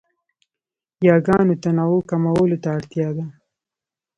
یاګانو تنوع کمولو ته اړتیا ده.